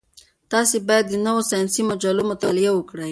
تاسي باید د نویو ساینسي مجلو مطالعه وکړئ.